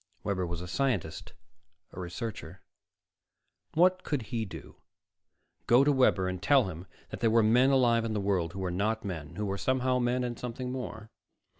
Webber was a scientist, a researcher. What could he do go to Webber and tell him that there were men alive in the world who were not men, who were somehow men and something more?